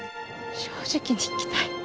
正直に生きたい。